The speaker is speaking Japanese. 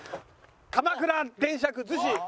鎌倉電車区逗子。